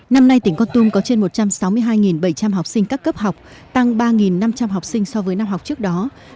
năm nay tỉnh con tum có trên một trăm sáu mươi hai bảy trăm linh học sinh các cấp học tăng ba năm trăm linh học sinh so với năm học trước đó